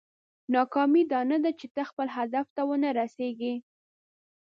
ناکامي دا نه ده چې ته خپل هدف ته ونه رسېږې.